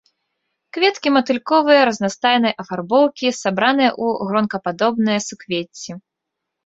Кветкі матыльковыя, разнастайнай афарбоўкі, сабраныя ў гронкападобныя суквецці.